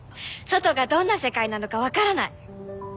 外がどんな世界なのか分からない。